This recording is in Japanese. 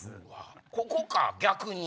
ここか逆に！